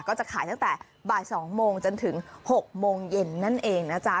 ก็จะขายตั้งแต่บ่าย๒โมงจนถึง๖โมงเย็นนั่นเองนะจ๊ะ